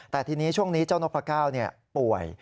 แต่ทีนี้ช่วงนี้เจ้านกพระเก้าป่วย